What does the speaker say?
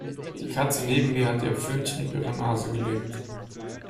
Die Katze neben mir hat ihr Pfötchen über ihre Nase gelegt.